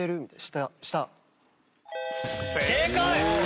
正解！